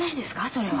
それは。